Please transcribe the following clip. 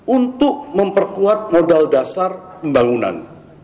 untuk memperkuat modal dasar pembangunan